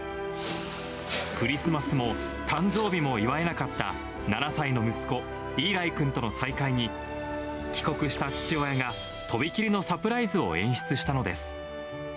クリスマスも誕生日も祝えなかった７歳の息子、イーライ君との再会に、帰国した父親が飛び切りのサプライズを演出したのです。